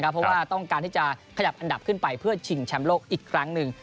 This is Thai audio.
เพราะว่าต้องการที่จะขยับอันดับขึ้นไปเพื่อชิงแชมป์โลกอีกครั้งหนึ่ง